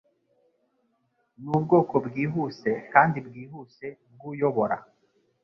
Nubwoko bwihuse kandi bwihuse bwuyobora